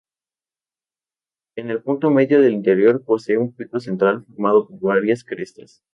En el punto medio del interior posee un pico central formado por varias crestas.